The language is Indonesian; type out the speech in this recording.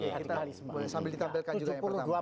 kita sambil ditampilkan juga